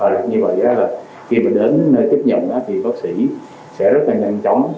và như vậy khi mình đến nơi tiếp nhận thì bác sĩ sẽ rất là nhanh chóng